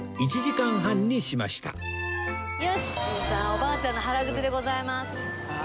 おばあちゃんの原宿でございます。